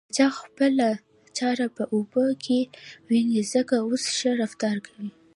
پاچا خپله چاړه په اوبو کې وينې ځکه اوس ښه رفتار کوي .